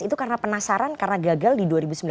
itu karena penasaran karena gagal di dua ribu sembilan belas